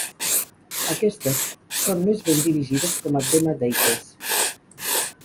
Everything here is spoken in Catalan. Aquestes són més ben dirigides com a Dema Deites.